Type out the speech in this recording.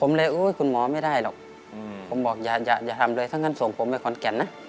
ผมเลยคุณหมอไม่ได้หรอกผมบอกอย่าทำเลยถ้างั้นส่งผมไปขอนแก่นนะ